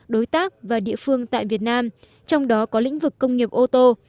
đối tác và địa phương tại việt nam trong đó có lĩnh vực công nghiệp ô tô